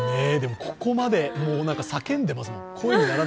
でも、ここまで、もう叫んでますもん。